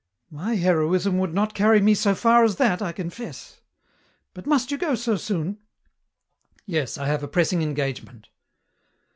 "My heroism would not carry me so far as that, I confess. But must you go so soon?" "Yes, I have a pressing engagement."